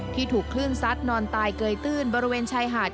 ถูกคลื่นซัดนอนตายเกยตื้นบริเวณชายหาด